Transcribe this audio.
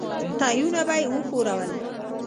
تيونه به يې وښورول.